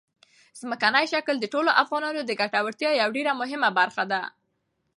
ځمکنی شکل د ټولو افغانانو د ګټورتیا یوه ډېره مهمه برخه ده.